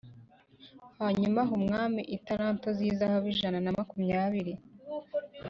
Hanyuma aha umwami italanto z’izahabu ijana na makumyabiri